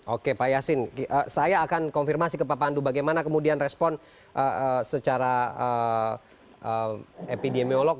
oke pak yasin saya akan konfirmasi ke pak pandu bagaimana kemudian respon secara epidemiolog